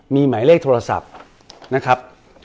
มีหมายเลขโทรศัพท์นะครับ